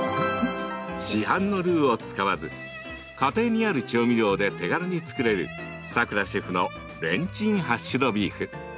市販のルーを使わず家庭にある調味料で手軽に作れるさくらシェフのレンチンハッシュドビーフ。